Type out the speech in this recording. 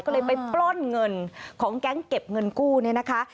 ก็เลยไปปล้นเงินของแก๊งเก็บเงินกู้เนี่ยนะคะ